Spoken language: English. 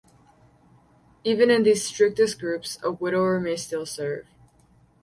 Even in these strictest groups, a widower may still serve.